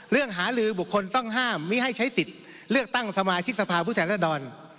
หาลือบุคคลต้องห้ามไม่ให้ใช้สิทธิ์เลือกตั้งสมาชิกสภาพผู้แทนรัศดร